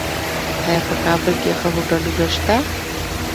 آیا په کابل کې ښه هوټلونه شته؟